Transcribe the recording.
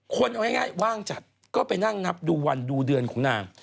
คนเอาง่ายว่างจัดก็ไปนั่งนับดูวันดูเดือนของนาง